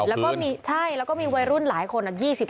แล้วก็มีใช่แล้วก็มีวัยรุ่นหลายคน